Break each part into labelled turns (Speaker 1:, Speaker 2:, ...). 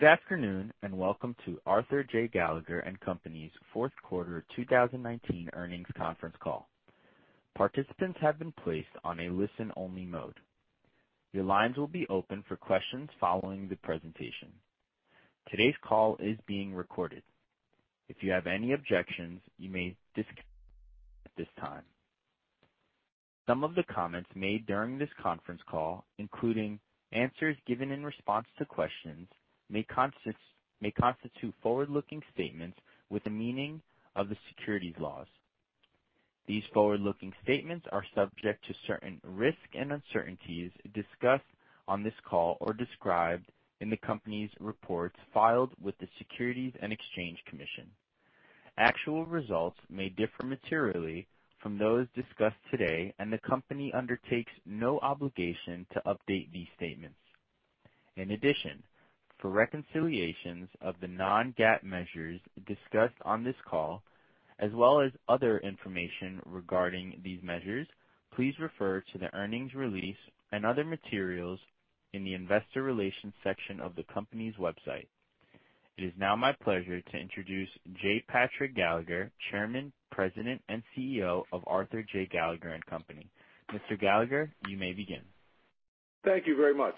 Speaker 1: Good afternoon. Welcome to Arthur J. Gallagher & Co.'s fourth quarter 2019 earnings conference call. Participants have been placed on a listen-only mode. Your lines will be open for questions following the presentation. Today's call is being recorded. If you have any objections, you may disconnect at this time. Some of the comments made during this conference call, including answers given in response to questions, may constitute forward-looking statements with the meaning of the securities laws. These forward-looking statements are subject to certain risks and uncertainties discussed on this call or described in the company's reports filed with the Securities and Exchange Commission. Actual results may differ materially from those discussed today. The company undertakes no obligation to update these statements. In addition, for reconciliations of the non-GAAP measures discussed on this call, as well as other information regarding these measures, please refer to the earnings release and other materials in the investor relations section of the company's website. It is now my pleasure to introduce J. Patrick Gallagher, Chairman, President, and CEO of Arthur J. Gallagher & Co.. Mr. Gallagher, you may begin.
Speaker 2: Thank you very much.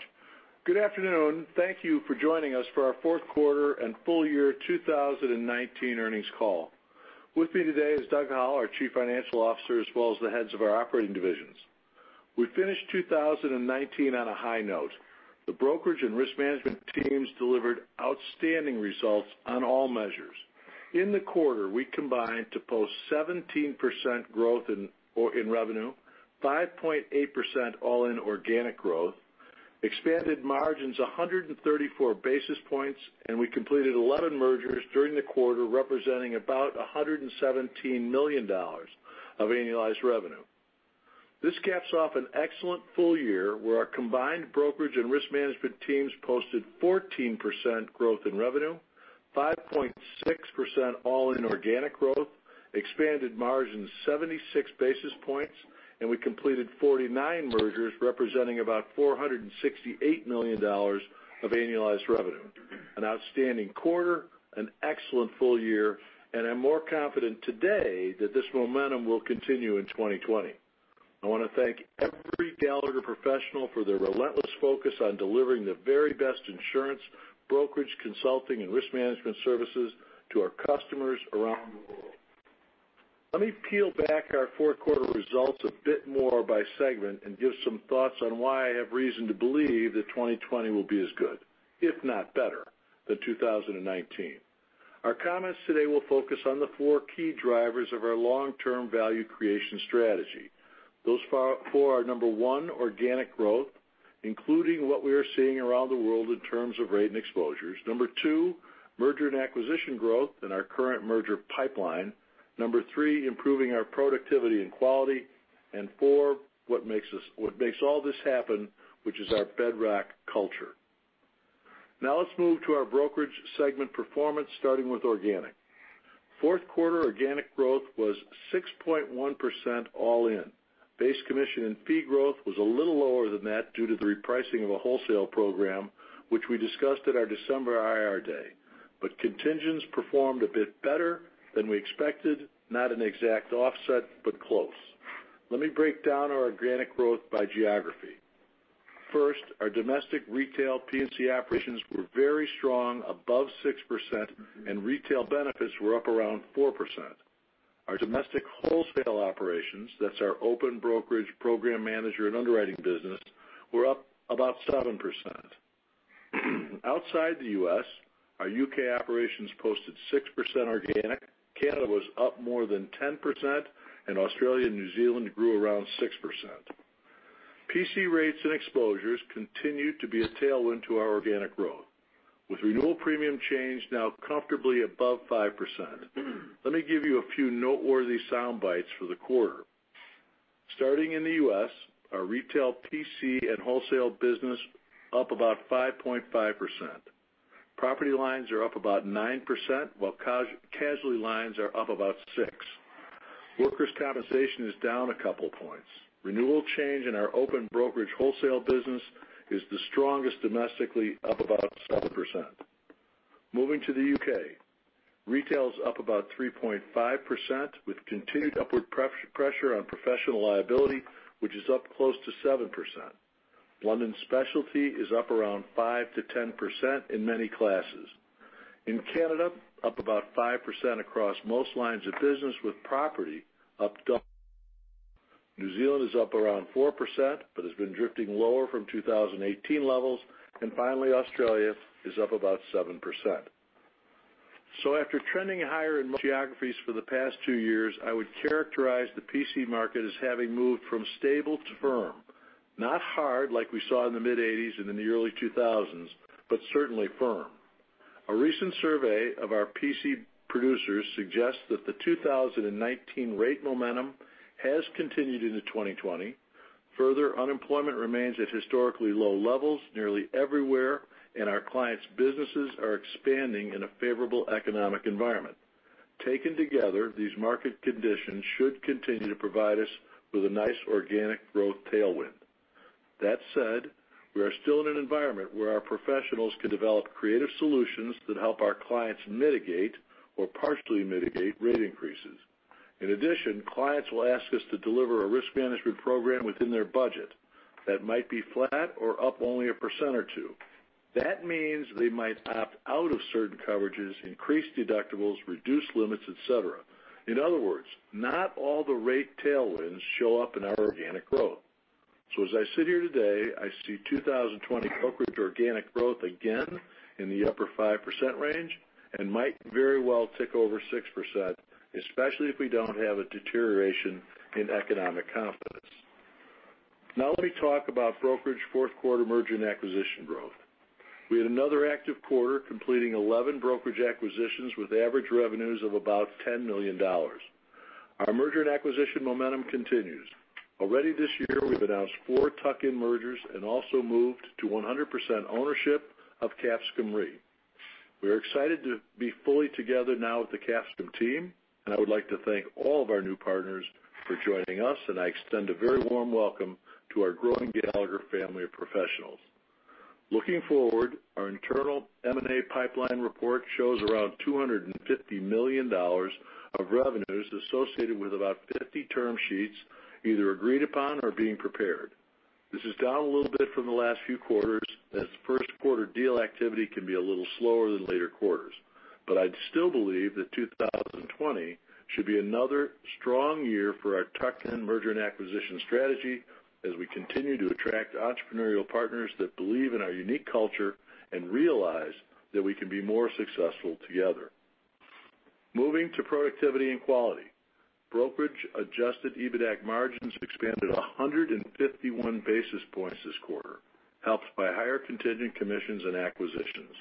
Speaker 2: Good afternoon. Thank you for joining us for our fourth quarter and full year 2019 earnings call. With me today is Doug Howell, our Chief Financial Officer, as well as the heads of our operating divisions. We finished 2019 on a high note. The brokerage and risk management teams delivered outstanding results on all measures. In the quarter, we combined to post 17% growth in revenue, 5.8% all-in organic growth, expanded margins 134 basis points. We completed 11 mergers during the quarter, representing about $117 million of annualized revenue. This caps off an excellent full year, where our combined brokerage and risk management teams posted 14% growth in revenue, 5.6% all in organic growth, expanded margin 76 basis points. We completed 49 mergers, representing about $468 million of annualized revenue. An outstanding quarter, an excellent full year. I'm more confident today that this momentum will continue in 2020. I want to thank every Gallagher professional for their relentless focus on delivering the very best insurance, brokerage, consulting, and risk management services to our customers around the world. Let me peel back our fourth quarter results a bit more by segment and give some thoughts on why I have reason to believe that 2020 will be as good, if not better, than 2019. Our comments today will focus on the 4 key drivers of our long-term value creation strategy. Those 4 are, number 1, organic growth, including what we are seeing around the world in terms of rate and exposures. Number 2, merger and acquisition growth and our current merger pipeline. Number 3, improving our productivity and quality. 4, what makes all this happen, which is our bedrock culture. Let's move to our brokerage segment performance, starting with organic. Fourth quarter organic growth was 6.1% all in. Base commission and fee growth was a little lower than that due to the repricing of a wholesale program, which we discussed at our December IR day. Contingents performed a bit better than we expected, not an exact offset, but close. Let me break down our organic growth by geography. First, our domestic retail PC operations were very strong, above 6%, and retail benefits were up around 4%. Our domestic wholesale operations, that's our open brokerage program manager and underwriting business, were up about 7%. Outside the U.S., our U.K. operations posted 6% organic, Canada was up more than 10%, and Australia and New Zealand grew around 6%. PC rates and exposures continued to be a tailwind to our organic growth, with renewal premium change now comfortably above 5%. Let me give you a few noteworthy sound bites for the quarter. Starting in the U.S., our retail PC and wholesale business up about 5.5%. Property lines are up about 9%, while casualty lines are up about 6%. Workers' compensation is down a couple points. Renewal change in our open brokerage wholesale business is the strongest domestically, up about 7%. Moving to the U.K., retail is up about 3.5% with continued upward pressure on professional liability, which is up close to 7%. London specialty is up around 5%-10% in many classes. In Canada, up about 5% across most lines of business, with property up double. New Zealand is up around 4%, but has been drifting lower from 2018 levels. Finally, Australia is up about 7%. After trending higher in most geographies for the past two years, I would characterize the PC market as having moved from stable to firm, not hard like we saw in the mid-'80s and in the early 2000s, but certainly firm. A recent survey of our PC producers suggests that the 2019 rate momentum has continued into 2020. Further, unemployment remains at historically low levels nearly everywhere, and our clients' businesses are expanding in a favorable economic environment. Taken together, these market conditions should continue to provide us with a nice organic growth tailwind. That said, we are still in an environment where our professionals can develop creative solutions that help our clients mitigate or partially mitigate rate increases. In addition, clients will ask us to deliver a risk management program within their budget that might be flat or up only a percent or two. That means they might opt out of certain coverages, increase deductibles, reduce limits, et cetera. In other words, not all the rate tailwinds show up in our organic growth. As I sit here today, I see 2020 brokerage organic growth again in the upper 5% range and might very well tick over 6%, especially if we don't have a deterioration in economic confidence. Let me talk about brokerage fourth quarter merger and acquisition growth. We had another active quarter, completing 11 brokerage acquisitions with average revenues of about $10 million. Our merger and acquisition momentum continues. Already this year, we've announced four tuck-in mergers and also moved to 100% ownership of Capsicum Re. We are excited to be fully together now with the Capsicum team. I would like to thank all of our new partners for joining us. I extend a very warm welcome to our growing Gallagher family of professionals. Looking forward, our internal M&A pipeline report shows around $250 million of revenues associated with about 50 term sheets either agreed upon or being prepared. This is down a little bit from the last few quarters, as first quarter deal activity can be a little slower than later quarters. I'd still believe that 2020 should be another strong year for our tuck-in merger and acquisition strategy as we continue to attract entrepreneurial partners that believe in our unique culture and realize that we can be more successful together. Moving to productivity and quality. Brokerage adjusted EBITAC margins expanded 151 basis points this quarter, helped by higher contingent commissions and acquisitions.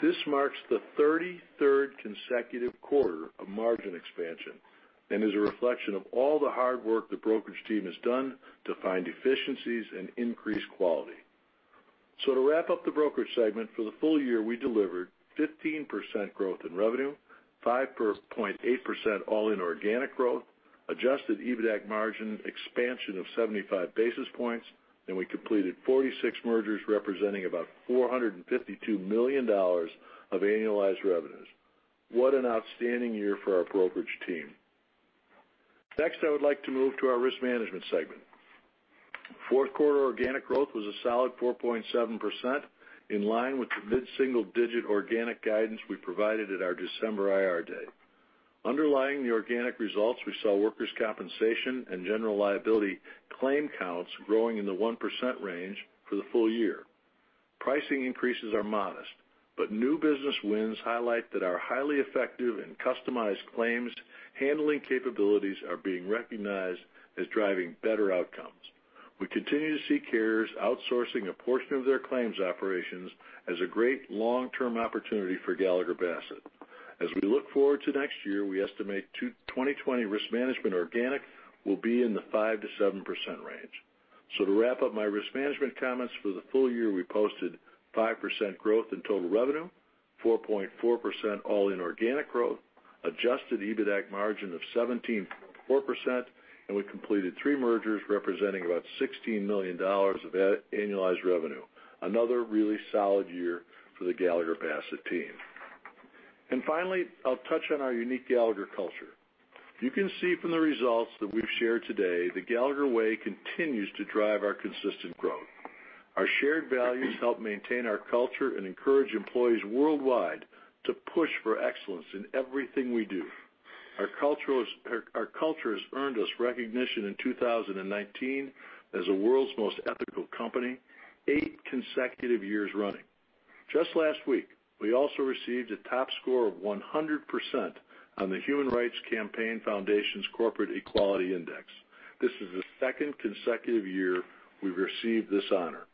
Speaker 2: This marks the 33rd consecutive quarter of margin expansion and is a reflection of all the hard work the brokerage team has done to find efficiencies and increase quality. To wrap up the brokerage segment, for the full year, we delivered 15% growth in revenue, 5.8% all-in organic growth, adjusted EBITAC margin expansion of 75 basis points, and we completed 46 mergers representing about $452 million of annualized revenues. What an outstanding year for our brokerage team. Next, I would like to move to our risk management segment. Fourth quarter organic growth was a solid 4.7%, in line with the mid-single digit organic guidance we provided at our December IR day. Underlying the organic results, we saw workers' compensation and general liability claim counts growing in the 1% range for the full year. Pricing increases are modest. New business wins highlight that our highly effective and customized claims handling capabilities are being recognized as driving better outcomes. We continue to see carriers outsourcing a portion of their claims operations as a great long-term opportunity for Gallagher Bassett. As we look forward to next year, we estimate 2020 risk management organic will be in the 5%-7% range. To wrap up my risk management comments, for the full year, we posted 5% growth in total revenue, 4.4% all-in organic growth, adjusted EBITAC margin of 17.4%, and we completed three mergers representing about $16 million of annualized revenue. Another really solid year for the Gallagher Bassett team. Finally, I'll touch on our unique Gallagher culture. You can see from the results that we've shared today, the Gallagher way continues to drive our consistent growth. Our shared values help maintain our culture and encourage employees worldwide to push for excellence in everything we do. Our culture has earned us recognition in 2019 as the world's most ethical company eight consecutive years running. Just last week, we also received a top score of 100% on the Human Rights Campaign Foundation's Corporate Equality Index. This is the second consecutive year we've received this honor.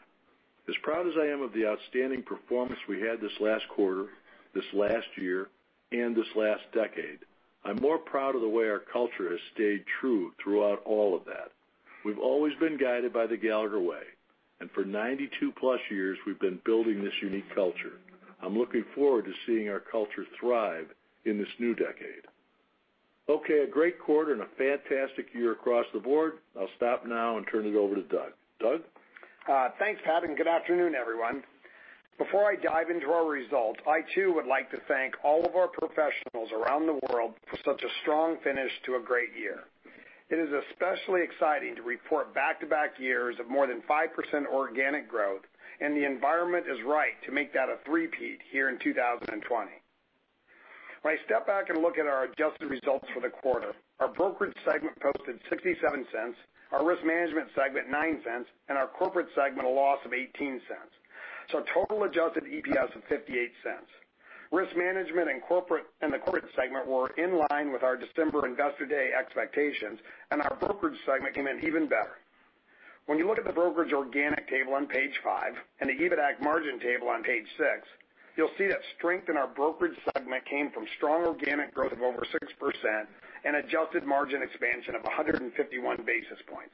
Speaker 2: As proud as I am of the outstanding performance we had this last quarter, this last year, and this last decade, I'm more proud of the way our culture has stayed true throughout all of that. We've always been guided by the Gallagher way, and for 92 plus years, we've been building this unique culture. I'm looking forward to seeing our culture thrive in this new decade. Okay, a great quarter and a fantastic year across the board. I'll stop now and turn it over to Doug. Doug?
Speaker 3: Thanks, Pat, and good afternoon, everyone. Before I dive into our results, I too would like to thank all of our professionals around the world for such a strong finish to a great year. It is especially exciting to report back-to-back years of more than 5% organic growth, and the environment is right to make that a three-peat here in 2020. When I step back and look at our adjusted results for the quarter, our brokerage segment posted $0.67, our risk management segment $0.09, and our corporate segment a loss of $0.18. Total adjusted EPS of $0.58. Risk management and the corporate segment were in line with our December Investor Day expectations, and our brokerage segment came in even better. When you look at the brokerage organic table on page five and the EBITAC margin table on page six, you'll see that strength in our brokerage segment came from strong organic growth of over 6% and adjusted margin expansion of 151 basis points.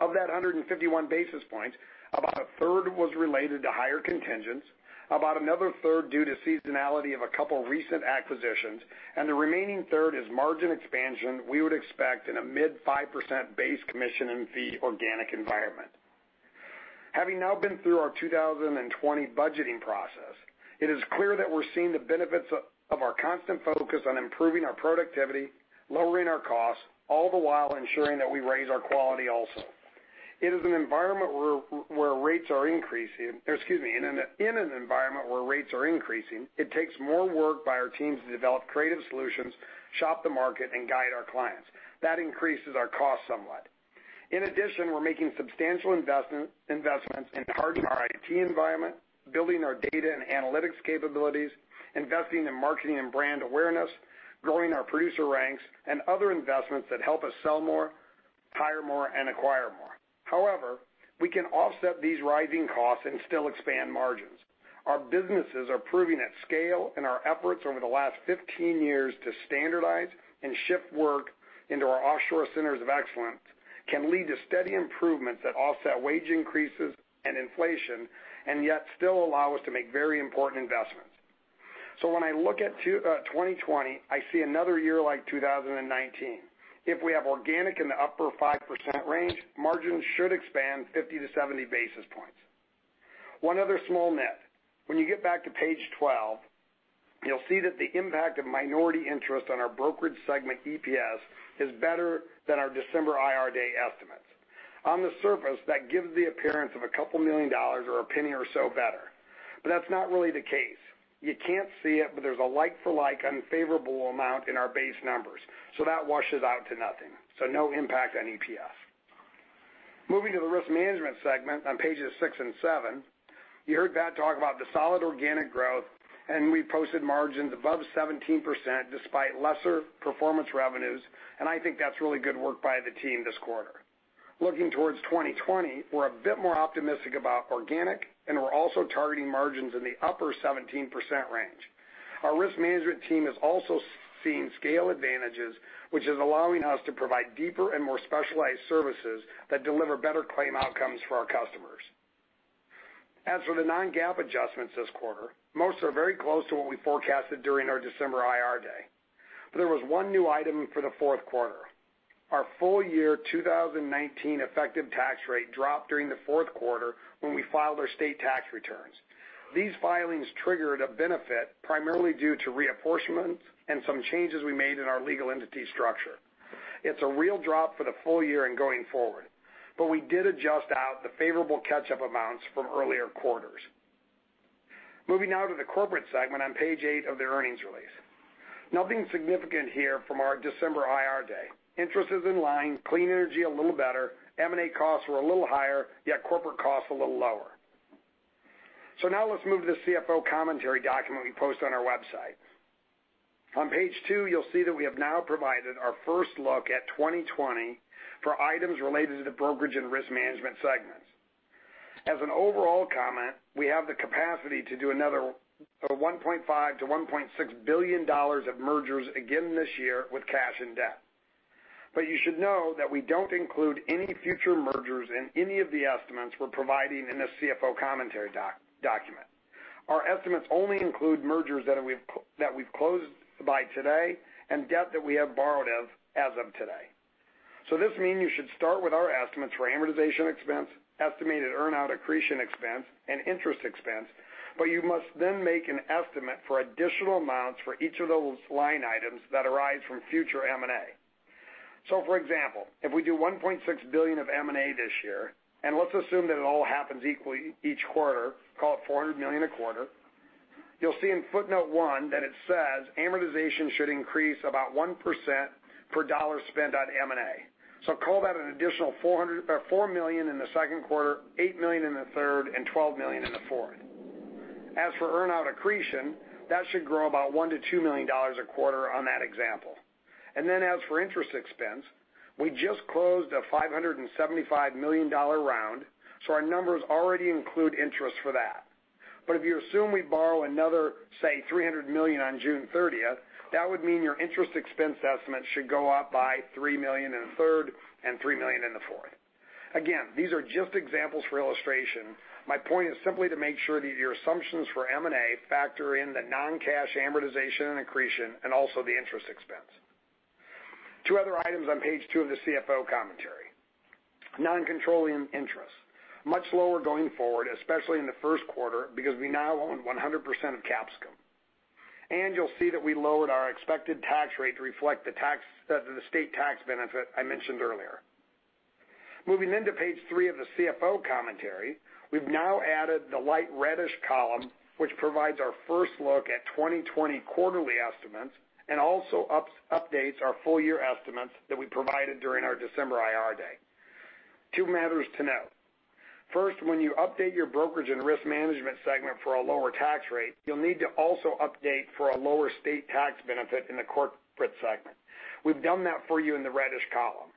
Speaker 3: Of that 151 basis points, about a third was related to higher contingents, about another third due to seasonality of a couple recent acquisitions, and the remaining third is margin expansion we would expect in a mid 5% base commission and fee organic environment. Having now been through our 2020 budgeting process, it is clear that we're seeing the benefits of our constant focus on improving our productivity, lowering our costs, all the while ensuring that we raise our quality also. In an environment where rates are increasing, it takes more work by our teams to develop creative solutions, shop the market, and guide our clients. That increases our costs somewhat. In addition, we're making substantial investments in hardening our IT environment, building our data and analytics capabilities, investing in marketing and brand awareness, growing our producer ranks, and other investments that help us sell more, hire more, and acquire more. However, we can offset these rising costs and still expand margins. Our businesses are proving at scale, and our efforts over the last 15 years to standardize and shift work into our offshore centers of excellence can lead to steady improvements that offset wage increases and inflation, and yet still allow us to make very important investments. When I look at 2020, I see another year like 2019. If we have organic in the upper 5% range, margins should expand 50 to 70 basis points. One other small note. When you get back to page 12, you'll see that the impact of minority interest on our brokerage segment EPS is better than our December IR day estimates. On the surface, that gives the appearance of a couple million dollars or a penny or so better. That's not really the case. You can't see it, but there's a like for like unfavorable amount in our base numbers. That washes out to nothing. No impact on EPS. Moving to the risk management segment on pages six and seven. You heard Thad talk about the solid organic growth, and we posted margins above 17% despite lesser performance revenues, and I think that's really good work by the team this quarter. Looking towards 2020, we're a bit more optimistic about organic, and we're also targeting margins in the upper 17% range. Our risk management team is also seeing scale advantages, which is allowing us to provide deeper and more specialized services that deliver better claim outcomes for our customers. As for the non-GAAP adjustments this quarter, most are very close to what we forecasted during our December IR day. There was one new item for the fourth quarter. Our full year 2019 effective tax rate dropped during the fourth quarter when we filed our state tax returns. These filings triggered a benefit primarily due to reimbursements and some changes we made in our legal entity structure. It's a real drop for the full year and going forward. We did adjust out the favorable catch-up amounts from earlier quarters. Moving now to the corporate segment on page eight of the earnings release. Nothing significant here from our December IR day. Interest is in line, clean energy a little better, M&A costs were a little higher, yet corporate costs a little lower. Now let's move to the CFO commentary document we post on our website. On page two, you'll see that we have now provided our first look at 2020 for items related to the brokerage and risk management segments. As an overall comment, we have the capacity to do another $1.5 billion-$1.6 billion of mergers again this year with cash and debt. You should know that we don't include any future mergers in any of the estimates we're providing in this CFO commentary document. Our estimates only include mergers that we've closed by today and debt that we have borrowed as of today. This means you should start with our estimates for amortization expense, estimated earn-out accretion expense, and interest expense, but you must then make an estimate for additional amounts for each of those line items that arise from future M&A. For example, if we do $1.6 billion of M&A this year, and let's assume that it all happens equally each quarter, call it $400 million a quarter, you'll see in footnote one that it says amortization should increase about 1% per dollar spent on M&A. Call that an additional $4 million in the second quarter, $8 million in the third, and $12 million in the fourth. As for earn-out accretion, that should grow about $1 million-$2 million a quarter on that example. As for interest expense, we just closed a $575 million round, so our numbers already include interest for that. If you assume we borrow another, say, $300 million on June 30th, that would mean your interest expense estimate should go up by $3 million in the third and $3 million in the fourth. Again, these are just examples for illustration. My point is simply to make sure that your assumptions for M&A factor in the non-cash amortization and accretion and also the interest expense. Two other items on page two of the CFO Commentary. Non-controlling interest. Much lower going forward, especially in the first quarter, because we now own 100% of Capsicum. You'll see that we lowered our expected tax rate to reflect the state tax benefit I mentioned earlier. Moving into page three of the CFO Commentary, we've now added the light reddish column, which provides our first look at 2020 quarterly estimates and also updates our full year estimates that we provided during our December IR day. Two matters to note. First, when you update your Brokerage and Risk Management segment for a lower tax rate, you'll need to also update for a lower state tax benefit in the Corporate segment. We've done that for you in the reddish column.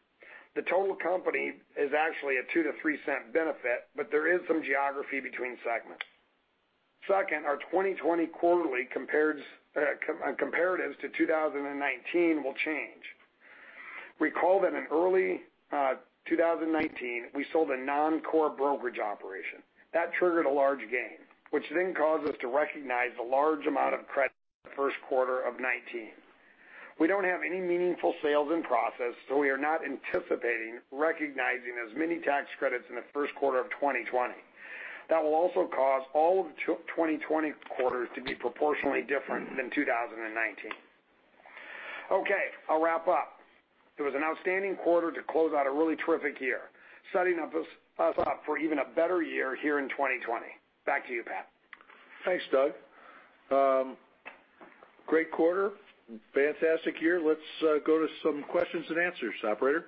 Speaker 3: The total company is actually a $0.02-$0.03 benefit, but there is some geography between segments. Second, our 2020 quarterly comparatives to 2019 will change. Recall that in early 2019, we sold a non-core brokerage operation. That triggered a large gain, which then caused us to recognize a large amount of credit in the first quarter of 2019. We don't have any meaningful sales in process, we are not anticipating recognizing as many tax credits in the first quarter of 2020. That will also cause all of the 2020 quarters to be proportionally different than 2019. Okay, I'll wrap up. It was an outstanding quarter to close out a really terrific year, setting us up for even a better year here in 2020. Back to you, Pat.
Speaker 2: Thanks, Doug. Great quarter. Fantastic year. Let's go to some questions and answers. Operator?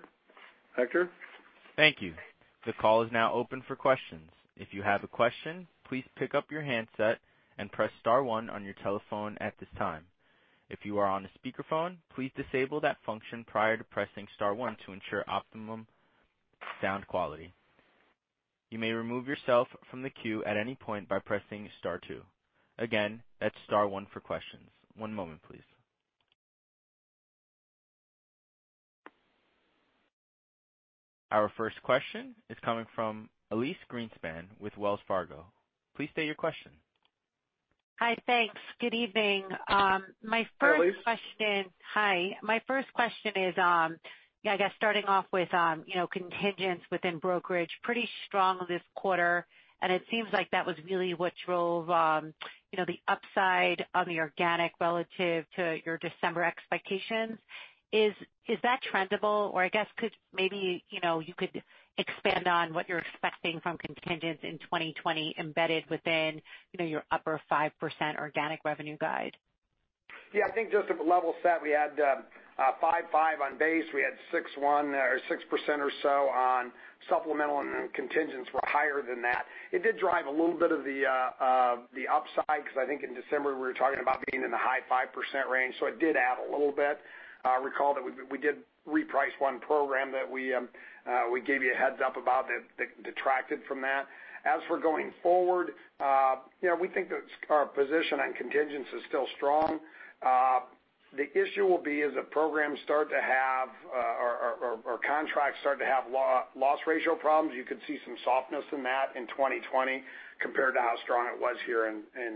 Speaker 2: Hector?
Speaker 1: Thank you. The call is now open for questions. If you have a question, please pick up your handset and press star one on your telephone at this time. If you are on a speakerphone, please disable that function prior to pressing star one to ensure optimum sound quality. You may remove yourself from the queue at any point by pressing star two. Again, that's star one for questions. One moment, please. Our first question is coming from Elyse Greenspan with Wells Fargo. Please state your question.
Speaker 4: Hi, thanks. Good evening.
Speaker 2: Hi, Elise.
Speaker 4: Hi. My first question is, I guess starting off with contingents within brokerage, pretty strong this quarter, and it seems like that was really what drove the upside on the organic relative to your December expectations. Is that trend-able? Or I guess, could maybe you could expand on what you're expecting from contingents in 2020 embedded within your upper 5% organic revenue guide?
Speaker 3: I think just at the level set, we had five five on base. We had six one or 6% or so on supplemental, and then contingents were higher than that. It did drive a little bit of the upside, because I think in December, we were talking about being in the high 5% range, so it did add a little bit. Recall that we did reprice one program that we gave you a heads-up about that detracted from that. Going forward, we think that our position on contingents is still strong. The issue will be as the programs start to have or contracts start to have loss ratio problems, you could see some softness in that in 2020 compared to how strong it was here in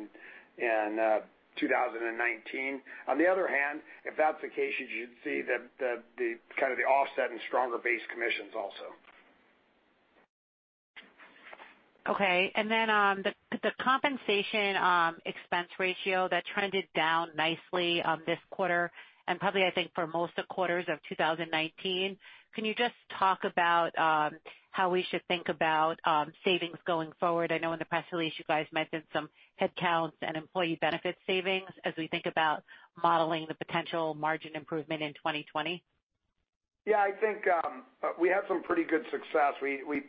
Speaker 3: 2019. On the other hand, if that's the case, you'd see the offset and stronger base commissions also.
Speaker 4: The compensation expense ratio that trended down nicely this quarter, and probably I think for most of the quarters of 2019. Can you just talk about how we should think about savings going forward? I know in the press release, you guys mentioned some headcounts and employee benefit savings as we think about modeling the potential margin improvement in 2020.
Speaker 3: I think we had some pretty good success. We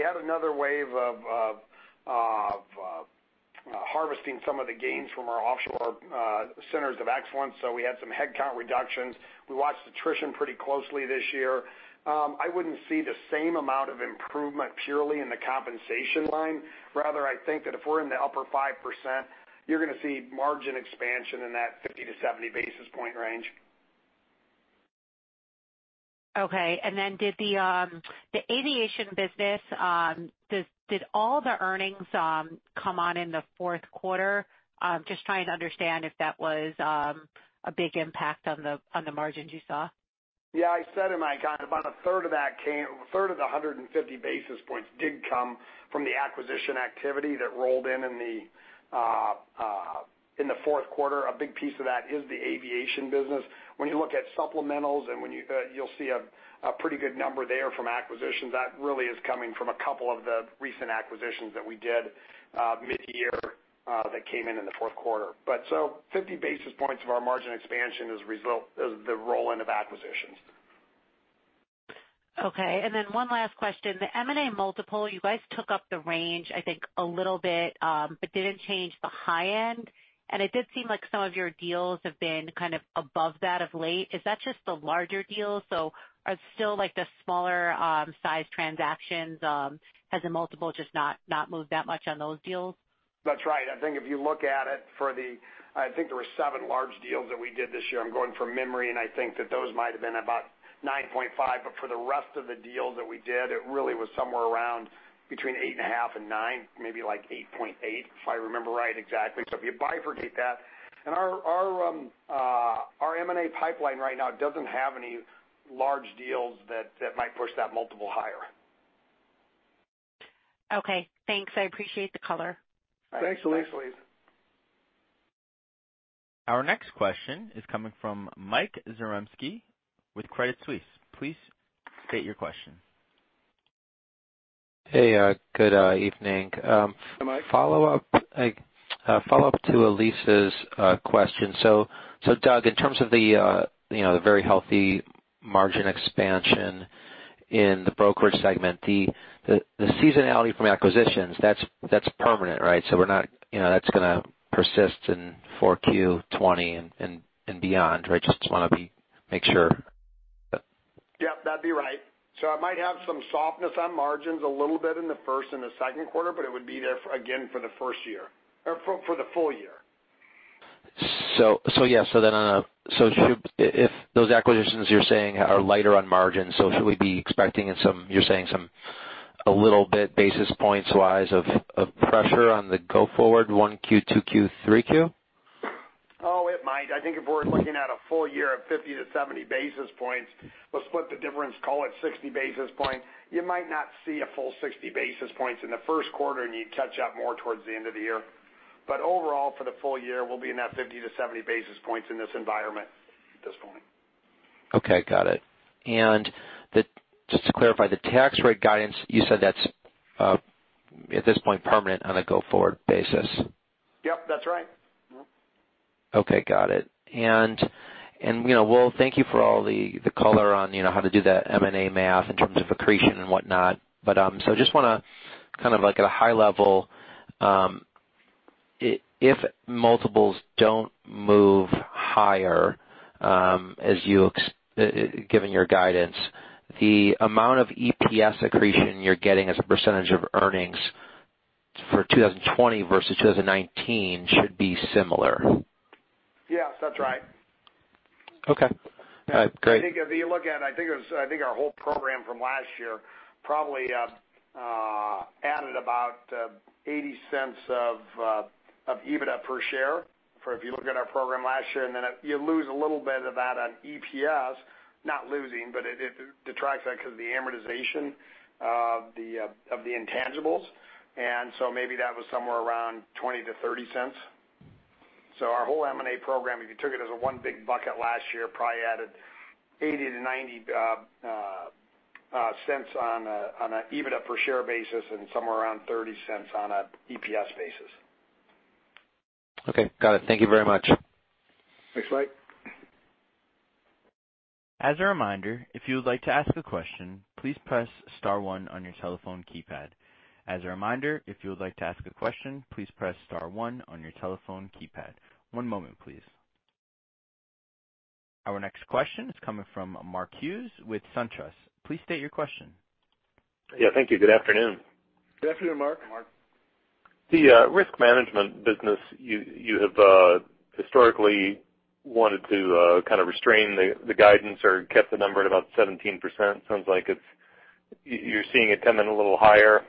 Speaker 3: had another wave of harvesting some of the gains from our offshore centers of excellence, so we had some headcount reductions. We watched attrition pretty closely this year. I wouldn't see the same amount of improvement purely in the compensation line. Rather, I think that if we're in the upper 5%, you're going to see margin expansion in that 50-70 basis point range.
Speaker 4: Did the aviation business, did all the earnings come on in the fourth quarter? Just trying to understand if that was a big impact on the margins you saw.
Speaker 3: Yeah. I said in my comment, about a third of the 150 basis points did come from the acquisition activity that rolled in in the fourth quarter. A big piece of that is the aviation business. When you look at supplementals, you'll see a pretty good number there from acquisitions. That really is coming from a couple of the recent acquisitions that we did mid-year that came in in the fourth quarter. 50 basis points of our margin expansion is the roll-in of acquisitions.
Speaker 4: Okay. One last question. The M&A multiple, you guys took up the range, I think, a little bit, but didn't change the high end, and it did seem like some of your deals have been kind of above that of late. Is that just the larger deals? Are still like the smaller size transactions, has the multiple just not moved that much on those deals?
Speaker 3: That's right. I think if you look at it for the, I think there were seven large deals that we did this year. I'm going from memory, and I think that those might have been about 9.5, but for the rest of the deals that we did, it really was somewhere around between eight and a half and nine, maybe like 8.8, if I remember right exactly. If you bifurcate that. Our M&A pipeline right now doesn't have any large deals that might push that multiple higher.
Speaker 4: Okay, thanks. I appreciate the color.
Speaker 3: Thanks, Elyse.
Speaker 2: Thanks, Elyse.
Speaker 1: Our next question is coming from Michael Zaremski with Credit Suisse. Please state your question.
Speaker 5: Hey, good evening.
Speaker 3: Hi, Mike.
Speaker 5: A follow-up to Elyse's question. Doug, in terms of the very healthy margin expansion in the brokerage segment, the seasonality from acquisitions, that's permanent, right? That's going to persist in 4Q 2020 and beyond, right? Just want to make sure.
Speaker 3: Yeah, that'd be right. I might have some softness on margins a little bit in the first and second quarter, but it would be there again for the full year.
Speaker 5: Yeah. If those acquisitions you're saying are lighter on margin, should we be expecting in some, you're saying a little bit basis points-wise of pressure on the go forward 1Q, 2Q, 3Q?
Speaker 3: It might. I think if we're looking at a full year of 50 to 70 basis points, we'll split the difference, call it 60 basis points. You might not see a full 60 basis points in the first quarter, and you'd catch up more towards the end of the year. Overall, for the full year, we'll be in that 50 to 70 basis points in this environment at this point.
Speaker 5: Okay, got it. Just to clarify the tax rate guidance, you said that's at this point permanent on a go-forward basis.
Speaker 3: Yep, that's right.
Speaker 5: Okay, got it. Well, thank you for all the color on how to do that M&A math in terms of accretion and whatnot. Just want to kind of like at a high level, if multiples don't move higher, given your guidance, the amount of EPS accretion you're getting as a percentage of earnings for 2020 versus 2019 should be similar.
Speaker 3: Yes, that's right.
Speaker 5: Okay. All right, great.
Speaker 3: I think if you look at, I think our whole program from last year probably added about $0.80 of EBITDA per share, if you look at our program last year. You lose a little bit of that on EPS, not losing, but it detracts that because of the amortization of the intangibles. Maybe that was somewhere around $0.20-$0.30. Our whole M&A program, if you took it as a one big bucket last year, probably added $0.80-$0.90 on an EBITDA per share basis and somewhere around $0.30 on an EPS basis.
Speaker 5: Okay, got it. Thank you very much.
Speaker 3: Thanks, Mike.
Speaker 1: As a reminder, if you would like to ask a question, please press star one on your telephone keypad. As a reminder, if you would like to ask a question, please press star one on your telephone keypad. One moment, please. Our next question is coming from Mark Hughes with SunTrust. Please state your question.
Speaker 6: Yeah, thank you. Good afternoon.
Speaker 3: Good afternoon, Mark.
Speaker 2: Mark.
Speaker 6: The risk management business you have historically wanted to kind of restrain the guidance or kept the number at about 17%. Sounds like you're seeing it coming a little higher.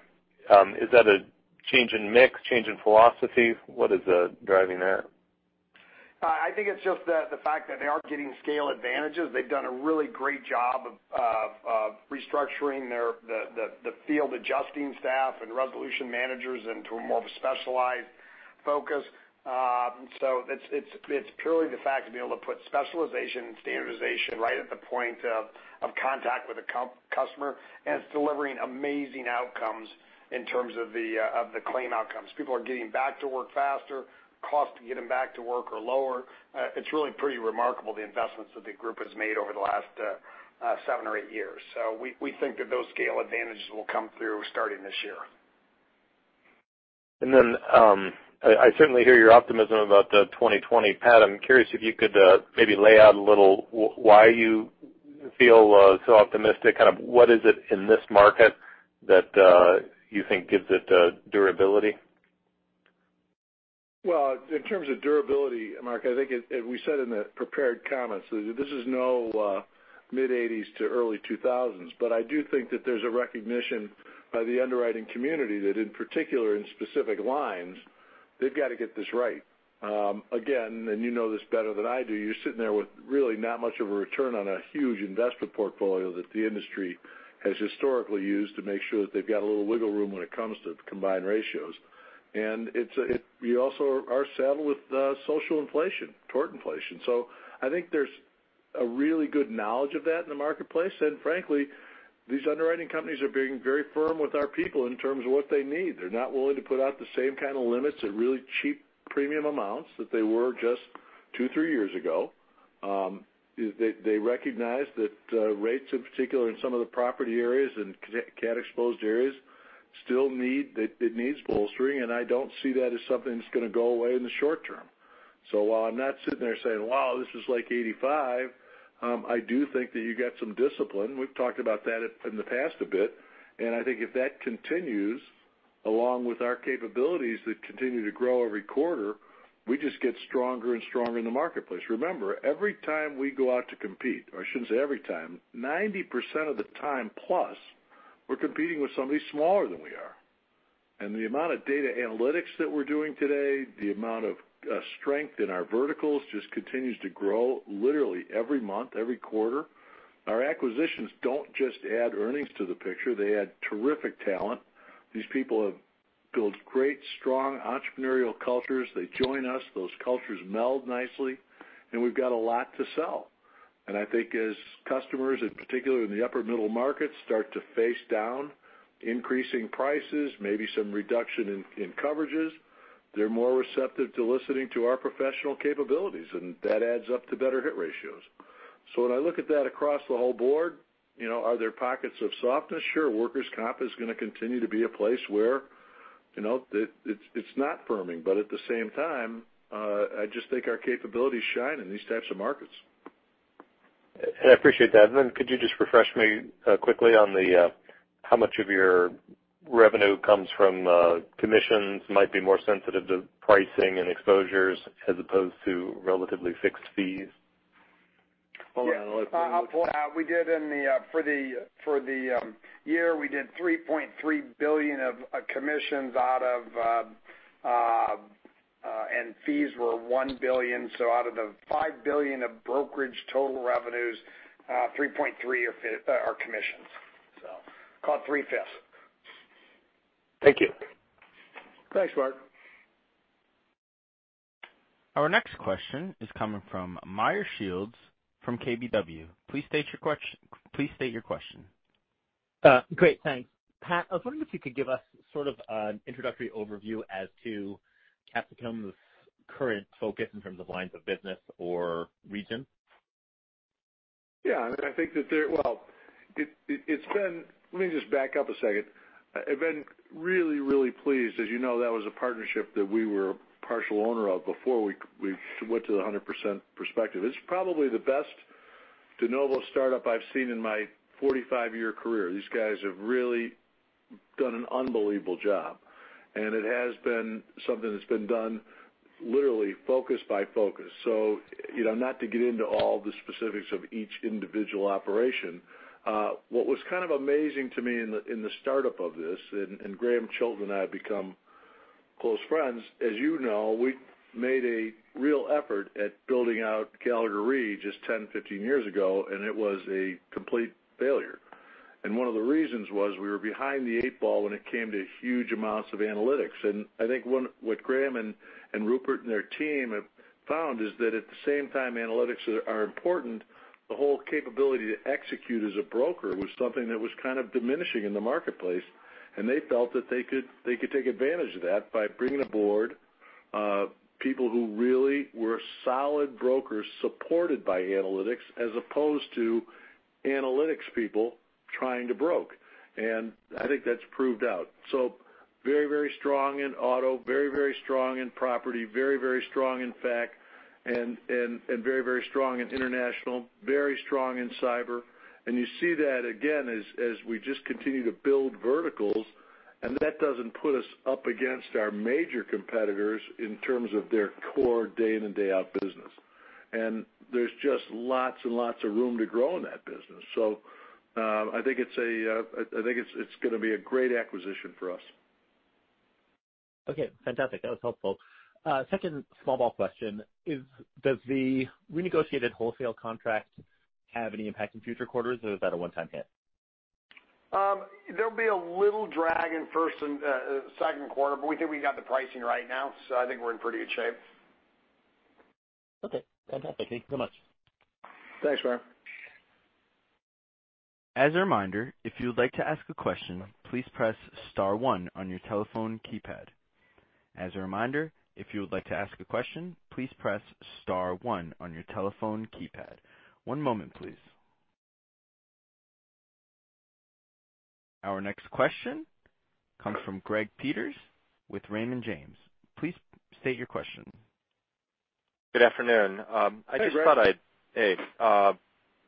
Speaker 6: Is that a change in mix, change in philosophy? What is driving that?
Speaker 3: I think it's just the fact that they are getting scale advantages. They've done a really great job of restructuring the field adjusting staff and resolution managers into more of a specialized focus. It's purely the fact to be able to put specialization and standardization right at the point of contact with the customer, it's delivering amazing outcomes in terms of the claim outcomes. People are getting back to work faster, costs to get them back to work are lower. It's really pretty remarkable the investments that the group has made over the last seven or eight years. We think that those scale advantages will come through starting this year.
Speaker 6: I certainly hear your optimism about the 2020 pattern. I'm curious if you could maybe lay out a little why you feel so optimistic, kind of what is it in this market that you think gives it durability?
Speaker 3: Well, in terms of durability, Mark, I think as we said in the prepared comments, this is no mid-'80s to early 2000s. I do think that there's a recognition by the underwriting community that in particular, in specific lines, they've got to get this right. Again, you know this better than I do, you're sitting there with really not much of a return on a huge investment portfolio that the industry has historically used to make sure that they've got a little wiggle room when it comes to combined ratios. You also are saddled with social inflation, tort inflation. I think there's a really good knowledge of that in the marketplace. Frankly, these underwriting companies are being very firm with our people in terms of what they need. They're not willing to put out the same kind of limits at really cheap premium amounts that they were just two, three years ago. They recognize that rates, in particular in some of the property areas and cat exposed areas still it needs bolstering. I don't see that as something that's going to go away in the short term. While I'm not sitting there saying, "Wow, this is like 1985," I do think that you got some discipline. We've talked about that in the past a bit. I think if that continues, along with our capabilities that continue to grow every quarter, we just get stronger and stronger in the marketplace. Remember, every time we go out to compete, or I shouldn't say every time, 90% of the time plus, we're competing with somebody smaller than we are. The amount of data analytics that we're doing today, the amount of strength in our verticals just continues to grow literally every month, every quarter. Our acquisitions don't just add earnings to the picture. They add terrific talent. These people have built great, strong entrepreneurial cultures. They join us, those cultures meld nicely. We've got a lot to sell. I think as customers, in particular in the upper middle markets, start to face down increasing prices, maybe some reduction in coverages, they're more receptive to listening to our professional capabilities, and that adds up to better hit ratios. When I look at that across the whole board, are there pockets of softness? Sure. Workers' comp is going to continue to be a place where
Speaker 2: It's not firming, at the same time, I just think our capabilities shine in these types of markets.
Speaker 6: I appreciate that. Could you just refresh me quickly on how much of your revenue comes from commissions, might be more sensitive to pricing and exposures as opposed to relatively fixed fees?
Speaker 2: Yeah. For the year, we did $3.3 billion of commissions, and fees were $1 billion. Out of the $5 billion of brokerage total revenues, $3.3 are commissions. Call it three-fifths.
Speaker 6: Thank you.
Speaker 2: Thanks, Mark.
Speaker 1: Our next question is coming from Meyer Shields from KBW. Please state your question.
Speaker 7: Great. Thanks. Pat, I was wondering if you could give us sort of an introductory overview as to Capsicum's current focus in terms of lines of business or region.
Speaker 2: Yeah, let me just back up a second. I've been really, really pleased. As you know, that was a partnership that we were a partial owner of before we went to the 100% perspective. It's probably the best de novo startup I've seen in my 45-year career. These guys have really done an unbelievable job, and it has been something that's been done literally focus by focus. Not to get into all the specifics of each individual operation, what was kind of amazing to me in the startup of this, Grahame Chilton and I have become close friends. As you know, we made a real effort at building out Gallagher Re just 10, 15 years ago, and it was a complete failure. One of the reasons was we were behind the eight ball when it came to huge amounts of analytics. I think what Grahame and Rupert and their team have found is that at the same time analytics are important, the whole capability to execute as a broker was something that was kind of diminishing in the marketplace, and they felt that they could take advantage of that by bringing aboard people who really were solid brokers supported by analytics as opposed to analytics people trying to broker. I think that's proved out. Very strong in auto, very strong in property, very strong in fact, and very strong in international, very strong in cyber. You see that again as we just continue to build verticals, and that doesn't put us up against our major competitors in terms of their core day in and day out business. There's just lots and lots of room to grow in that business. I think it's going to be a great acquisition for us.
Speaker 7: Okay, fantastic. That was helpful. Second small ball question is, does the renegotiated wholesale contract have any impact in future quarters, or is that a one-time hit?
Speaker 2: There'll be a little drag in first and second quarter. We think we've got the pricing right now. I think we're in pretty good shape.
Speaker 7: Okay, fantastic. Thank you so much.
Speaker 2: Thanks, Meyer.
Speaker 1: As a reminder, if you would like to ask a question, please press *1 on your telephone keypad. As a reminder, if you would like to ask a question, please press *1 on your telephone keypad. One moment, please. Our next question comes from Greg Peters with Raymond James. Please state your question.
Speaker 8: Good afternoon.
Speaker 2: Hey, Greg.
Speaker 8: Hey.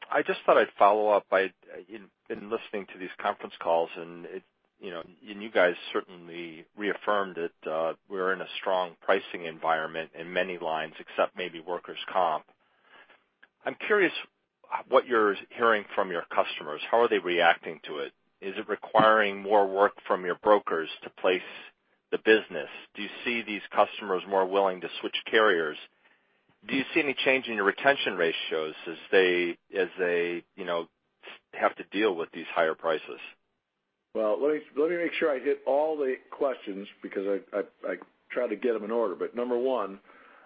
Speaker 8: I just thought I'd follow up in listening to these conference calls, and you guys certainly reaffirmed that we're in a strong pricing environment in many lines except maybe workers' comp. I'm curious what you're hearing from your customers. How are they reacting to it? Is it requiring more work from your brokers to place the business? Do you see these customers more willing to switch carriers? Do you see any change in your retention ratios as they have to deal with these higher prices?
Speaker 2: Well, let me make sure I hit all the questions because I try to get them in order. Number 1,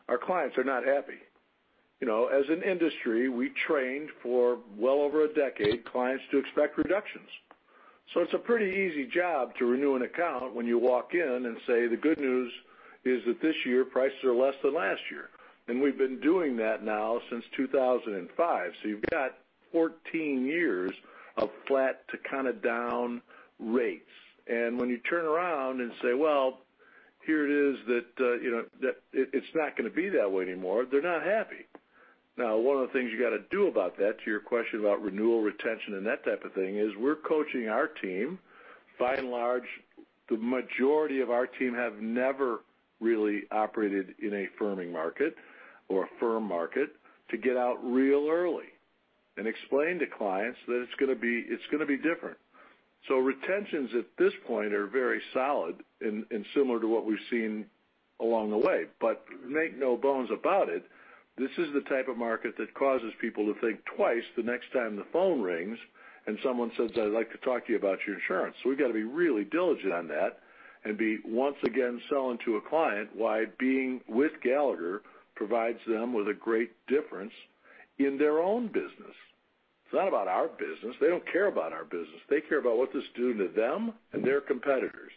Speaker 2: our clients are not happy. As an industry, we trained for well over a decade clients to expect reductions. It's a pretty easy job to renew an account when you walk in and say, "The good news is that this year prices are less than last year." We've been doing that now since 2005. You've got 14 years of flat to kind of down rates. When you turn around and say, "Well, here it is that it's not going to be that way anymore," they're not happy. Now, one of the things you got to do about that, to your question about renewal, retention, and that type of thing, is we're coaching our team. By and large, the majority of our team have never really operated in a firming market or a firm market to get out real early and explain to clients that it's going to be different. Retentions at this point are very solid and similar to what we've seen along the way. Make no bones about it, this is the type of market that causes people to think twice the next time the phone rings and someone says, "I'd like to talk to you about your insurance." We've got to be really diligent on that and be once again selling to a client why being with Gallagher provides them with a great difference in their own business. It's not about our business. They don't care about our business. They care about what this is doing to them and their competitors.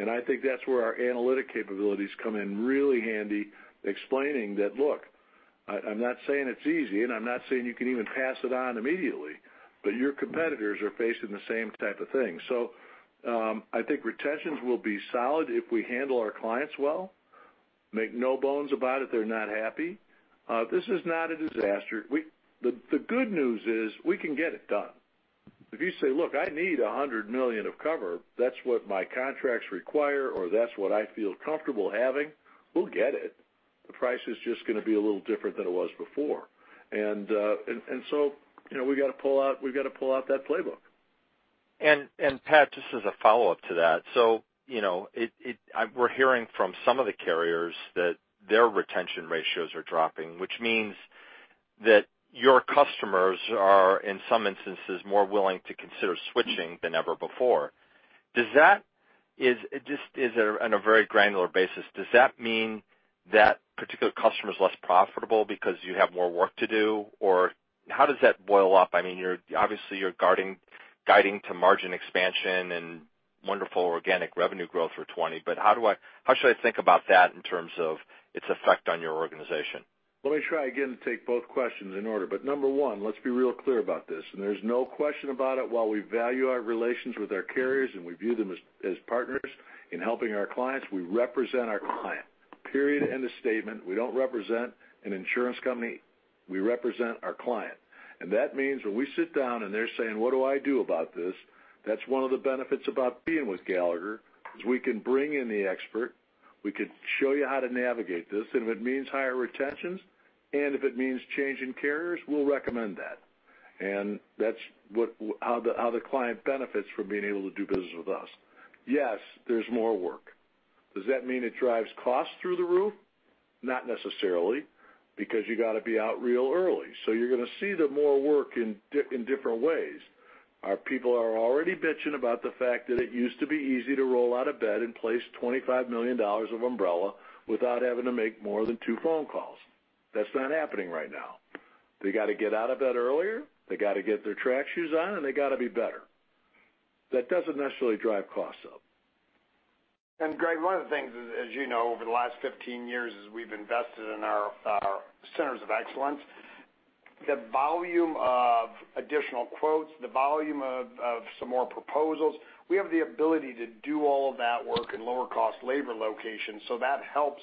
Speaker 2: I think that's where our analytic capabilities come in really handy explaining that, look I'm not saying it's easy, and I'm not saying you can even pass it on immediately, but your competitors are facing the same type of thing. I think retentions will be solid if we handle our clients well. Make no bones about it, they're not happy. This is not a disaster. The good news is we can get it done. If you say, "Look, I need $100 million of cover. That's what my contracts require," or, "That's what I feel comfortable having," we'll get it. The price is just going to be a little different than it was before. We've got to pull out that playbook.
Speaker 8: Pat, just as a follow-up to that. We're hearing from some of the carriers that their retention ratios are dropping, which means that your customers are, in some instances, more willing to consider switching than ever before. On a very granular basis, does that mean that particular customer is less profitable because you have more work to do? Or how does that boil up? Obviously, you're guiding to margin expansion and wonderful organic revenue growth for 2020, but how should I think about that in terms of its effect on your organization?
Speaker 2: Let me try again to take both questions in order. Number one, let's be real clear about this, and there's no question about it, while we value our relations with our carriers and we view them as partners in helping our clients, we represent our client, period, end of statement. We don't represent an insurance company. We represent our client. That means when we sit down and they're saying, "What do I do about this?" That's one of the benefits about being with Gallagher, is we can bring in the expert. We could show you how to navigate this, and if it means higher retentions, and if it means changing carriers, we'll recommend that. That's how the client benefits from being able to do business with us. Yes, there's more work. Does that mean it drives costs through the roof? Not necessarily, because you got to be out real early. You're going to see the more work in different ways. Our people are already bitching about the fact that it used to be easy to roll out of bed and place $25 million of umbrella without having to make more than two phone calls. That's not happening right now. They got to get out of bed earlier, they got to get their track shoes on, and they got to be better. That doesn't necessarily drive costs up.
Speaker 3: Greg, one of the things, as you know, over the last 15 years is we've invested in our centers of excellence. The volume of additional quotes, the volume of some more proposals, we have the ability to do all of that work in lower cost labor locations, that helps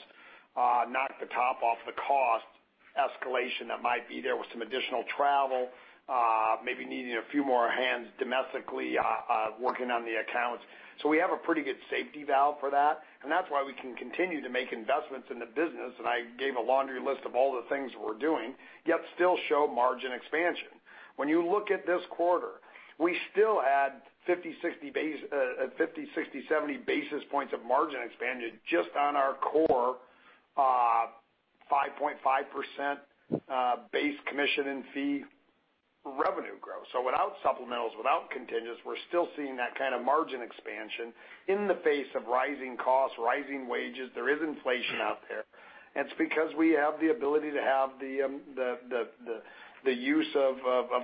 Speaker 3: knock the top off the cost escalation that might be there with some additional travel, maybe needing a few more hands domestically working on the accounts. We have a pretty good safety valve for that's why we can continue to make investments in the business, I gave a laundry list of all the things we're doing, yet still show margin expansion. When you look at this quarter, we still add 50, 60, 70 basis points of margin expansion just on our core 5.5% base commission and fee revenue growth. Without supplementals, without contingents, we're still seeing that kind of margin expansion in the face of rising costs, rising wages. There is inflation out there, it's because we have the ability to have the use of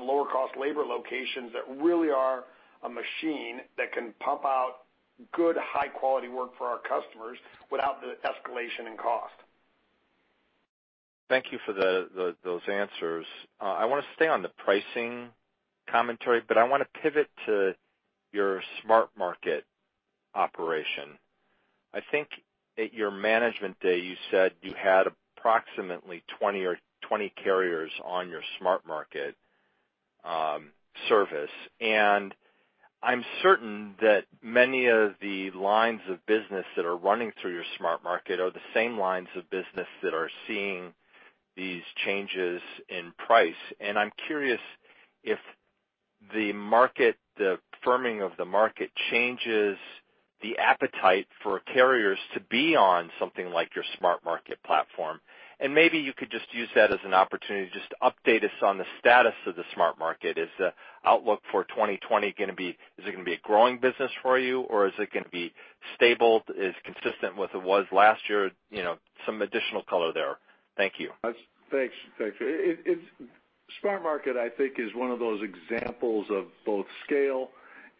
Speaker 3: lower cost labor locations that really are a machine that can pump out good, high quality work for our customers without the escalation in cost.
Speaker 8: Thank you for those answers. I want to stay on the pricing commentary, but I want to pivot to your SmartMarket operation. I think at your management day, you said you had approximately 20 carriers on your SmartMarket service, and I'm certain that many of the lines of business that are running through your SmartMarket are the same lines of business that are seeing these changes in price. I'm curious if the firming of the market changes the appetite for carriers to be on something like your SmartMarket platform. Maybe you could just use that as an opportunity just to update us on the status of the SmartMarket. Is the outlook for 2020 going to be a growing business for you, or is it going to be stable? Is it consistent with what it was last year? Some additional color there. Thank you.
Speaker 2: Thanks. SmartMarket, I think, is one of those examples of both scale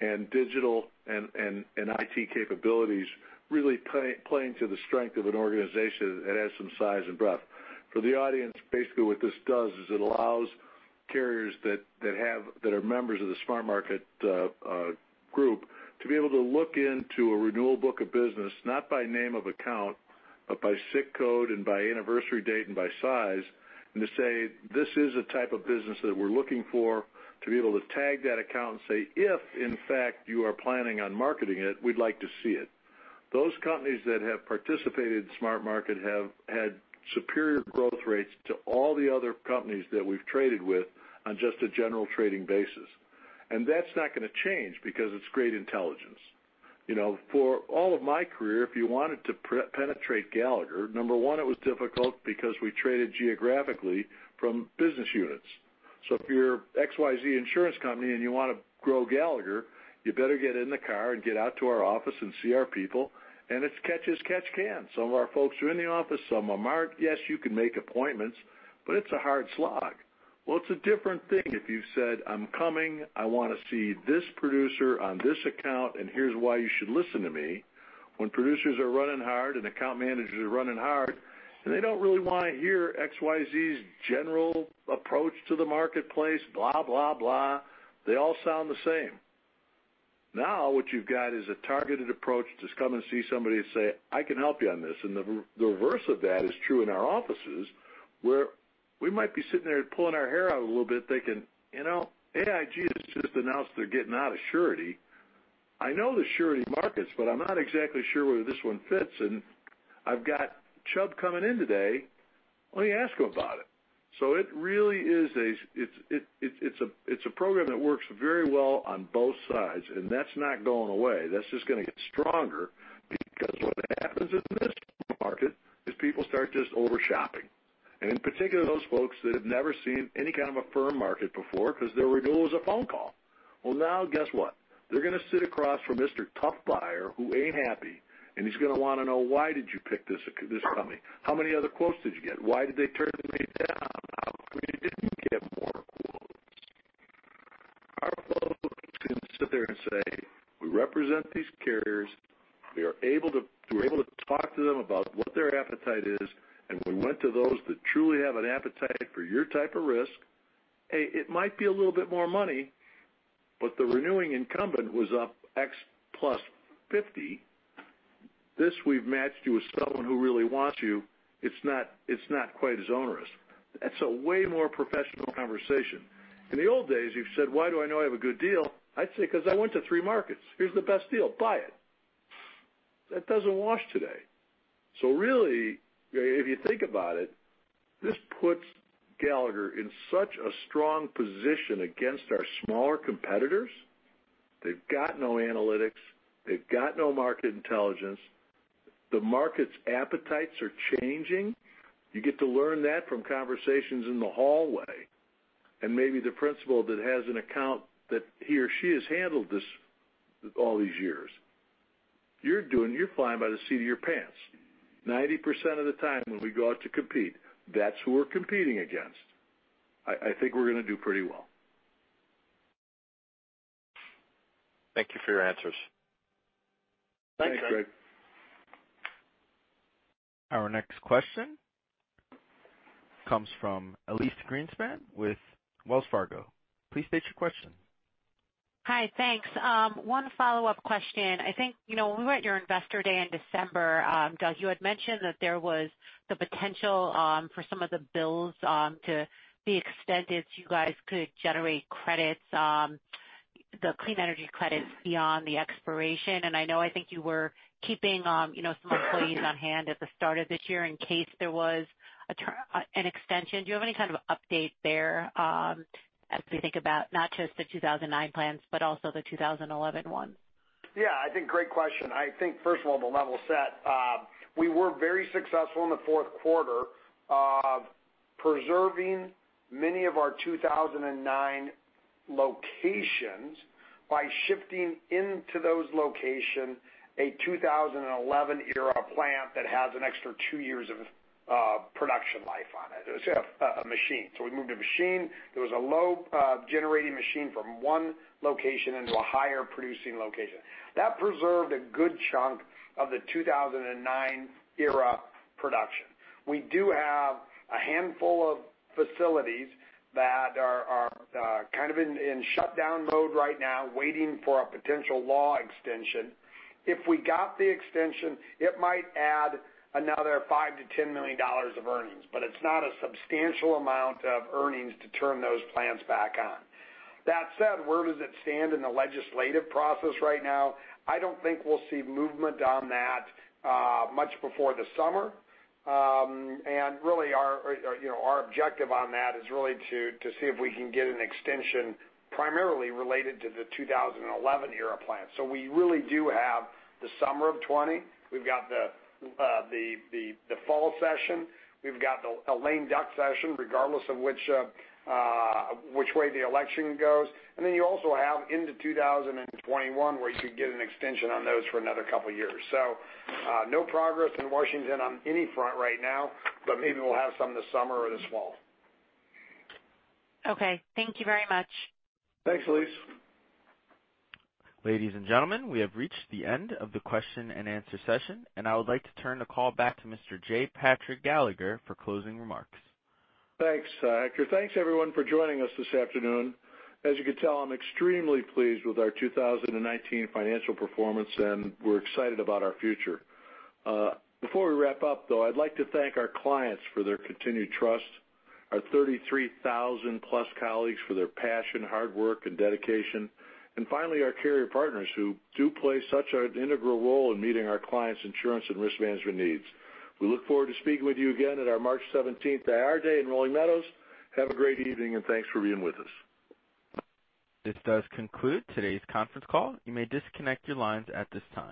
Speaker 2: and digital and IT capabilities really playing to the strength of an organization that has some size and breadth. For the audience, basically, what this does is it allows carriers that are members of the SmartMarket group to be able to look into a renewal book of business, not by name of account, but by SIC code and by anniversary date and by size, and to say, "This is the type of business that we're looking for," to be able to tag that account and say, "If, in fact, you are planning on marketing it, we'd like to see it." Those companies that have participated in SmartMarket have had superior growth rates to all the other companies that we've traded with on just a general trading basis. That's not going to change because it's great intelligence. For all of my career, if you wanted to penetrate Gallagher, number 1, it was difficult because we traded geographically from business units. If you're XYZ Insurance Company and you want to grow Gallagher, you better get in the car and get out to our office and see our people, and it's catch as catch can. Some of our folks are in the office, some are marked. Yes, you can make appointments, but it's a hard slog. It's a different thing if you said, "I'm coming, I want to see this producer on this account, and here's why you should listen to me." When producers are running hard and account managers are running hard, and they don't really want to hear XYZ's general approach to the marketplace, blah, blah. They all sound the same. What you've got is a targeted approach to just come and see somebody and say, "I can help you on this." The reverse of that is true in our offices, where we might be sitting there pulling our hair out a little bit thinking, AIG has just announced they're getting out of surety. I know the surety markets, but I'm not exactly sure where this one fits in. I've got Chubb coming in today. Let me ask him about it. It's a program that works very well on both sides, and that's not going away. That's just going to get stronger because what happens in this market is people start just over-shopping, and in particular, those folks that have never seen any kind of a firm market before because their renewal is a phone call. Now guess what? They're going to sit across from Mr. Tough Buyer, who ain't happy. He's going to want to know, why did you pick this company? How many other quotes did you get? Why did they turn me down? How come you didn't get more quotes? Our folks can sit there and say, we represent these carriers. We're able to talk to them about what their appetite is, and we went to those that truly have an appetite for your type of risk. It might be a little bit more money, but the renewing incumbent was up X + 50. This, we've matched you with someone who really wants you. It's not quite as onerous. That's a way more professional conversation. In the old days, you've said, why do I know I have a good deal? I'd say because I went to three markets. Here's the best deal. Buy it. That doesn't wash today. Really, if you think about it, this puts Gallagher in such a strong position against our smaller competitors. They've got no analytics. They've got no market intelligence. The market's appetites are changing. You get to learn that from conversations in the hallway and maybe the principal that has an account that he or she has handled this all these years. You're flying by the seat of your pants 90% of the time when we go out to compete. That's who we're competing against. I think we're going to do pretty well.
Speaker 8: Thank you for your answers.
Speaker 2: Thanks, Greg.
Speaker 1: Our next question comes from Elyse Greenspan with Wells Fargo. Please state your question.
Speaker 4: Hi, thanks. One follow-up question. I think when we were at your Investor Day in December, Doug, you had mentioned that there was the potential for some of the bills to be extended so you guys could generate credits, the clean energy credits beyond the expiration. I know I think you were keeping some employees on hand at the start of this year in case there was an extension. Do you have any kind of update there as we think about not just the 2009 plans, but also the 2011 ones?
Speaker 2: I think great question. I think, first of all, we'll level set. We were very successful in the fourth quarter of preserving many of our 2009 locations by shifting into those location a 2011 era plant that has an extra two years of production life on it, say, a machine. We moved a machine that was a low generating machine from one location into a higher producing location. That preserved a good chunk of the 2009 era production. We do have a handful of facilities that are in shutdown mode right now, waiting for a potential law extension. If we got the extension, it might add another $5 million-$10 million of earnings, but it's not a substantial amount of earnings to turn those plants back on. That said, where does it stand in the legislative process right now? I don't think we'll see movement on that much before the summer. Really our objective on that is really to see if we can get an extension primarily related to the 2011 era plan. We really do have the summer of 2020. We've got the fall session. We've got a lame duck session, regardless of which way the election goes. Then you also have into 2021, where you could get an extension on those for another couple of years. No progress in Washington on any front right now, but maybe we'll have some this summer or this fall.
Speaker 4: Okay. Thank you very much.
Speaker 2: Thanks, Elyse.
Speaker 1: Ladies and gentlemen, we have reached the end of the question and answer session, and I would like to turn the call back to Mr. J. Patrick Gallagher for closing remarks.
Speaker 2: Thanks, Hector. Thanks, everyone, for joining us this afternoon. As you can tell, I'm extremely pleased with our 2019 financial performance, and we're excited about our future. Before we wrap up, though, I'd like to thank our clients for their continued trust, our 33,000-plus colleagues for their passion, hard work, and dedication. Finally, our carrier partners, who do play such an integral role in meeting our clients' insurance and risk management needs. We look forward to speaking with you again at our March 17th IR Day in Rolling Meadows. Have a great evening, and thanks for being with us.
Speaker 1: This does conclude today's conference call. You may disconnect your lines at this time.